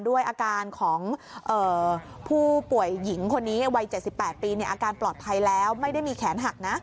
ด้วยอาการของผู้ป่วยหญิงคนนี้วัย๗๘ปีอาการปลอดภัยแล้วไม่ได้มีแขนหักนะ